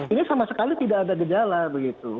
ini sama sekali tidak ada gejala begitu